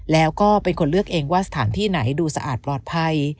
แล้วก็เป็นคนเลือกเองว่าสถานที่ไหนดูสะอาดปลอดภัย